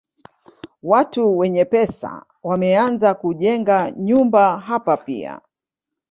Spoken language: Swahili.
Watu wenye pesa wameanza kujenga nyumba hapa pia.